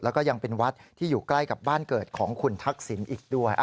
แล้วก็ยังเป็นวัดที่อยู่ใกล้กับบ้านเกิดของคุณทักษิณอีกด้วย